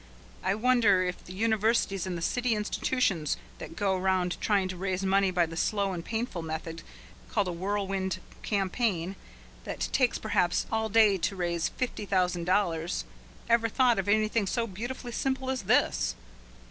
I wonder if the universities and the city institutions that go round trying to raise money by the slow and painful method called a Whirlwind Campaign, that takes perhaps all day to raise fifty thousand dollars, ever thought of anything so beautifully simple as this.